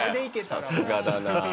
さすがだなぁ。